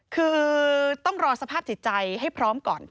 คือต้องรอสภาพจิตใจให้พร้อมก่อน